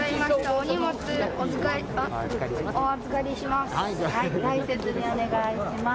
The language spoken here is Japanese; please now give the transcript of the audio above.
お荷物、お預かりします。